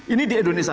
ini di indonesia